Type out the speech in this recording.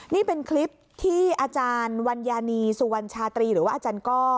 นี่เป็นคลิปที่อาจารย์วัญญานีสุวรรณชาตรีหรือว่าอาจารย์ก้อ